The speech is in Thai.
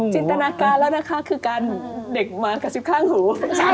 จินตนาการแล้วนะคะคือการเด็กมากระซิบข้างหู